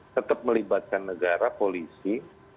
tetap melibatkan negara polisi